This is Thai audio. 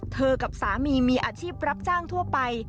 กับสามีมีอาชีพรับจ้างทั่วไป